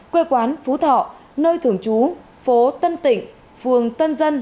quê quán phú thọ nơi thường trú phố tân tịnh phường tân dân